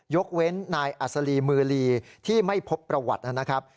ยกเว้นนายอัศรีมือลีที่ไม่พบประวัตินะครับ